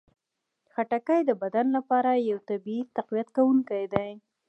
خټکی د بدن لپاره یو طبیعي تقویت کوونکی دی.